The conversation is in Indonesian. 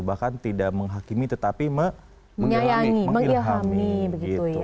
bahkan tidak menghakimi tetapi mengilhami gitu